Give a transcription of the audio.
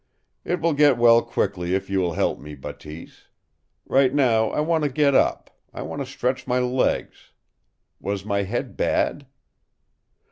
"It will get well quickly if you will help me, Bateese. Right now I want to get up. I want to stretch my legs. Was my head bad?"